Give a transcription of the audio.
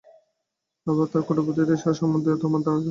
আবার তার কূটবুদ্ধি ও সাহস সম্বন্ধেও আমার ধারণা ছিল।